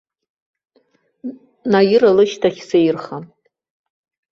Наира лышьҭахь сеирхан.